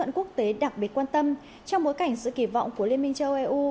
các quốc tế đặc biệt quan tâm trong bối cảnh sự kỳ vọng của liên minh châu âu eu